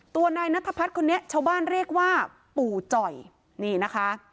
ตัวนายนัทพัฒน์คนนี้ชาวบ้านเรียกว่าปู่จ่อยนี่นะคะ